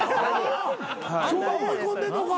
そう思い込んでんのか。